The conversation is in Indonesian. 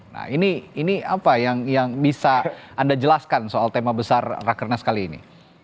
nah ini apa yang bisa anda jelaskan soal tema besar rakernas kali ini